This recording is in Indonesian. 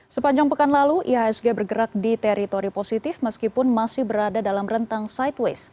sepanjang pekan lalu ihsg bergerak di teritori positif meskipun masih berada dalam rentang sideways